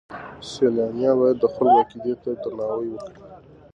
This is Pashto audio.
سیلانیان باید د خلکو عقیدې ته درناوی وکړي.